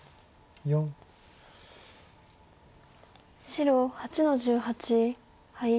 白８の十八ハイ。